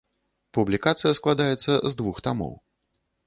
Публікацыя складаецца з двух тамоў.